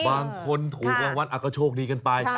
บางคนถูกรางวัลก็โชคดีกันไป